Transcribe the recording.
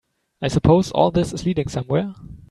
I suppose all this is leading somewhere?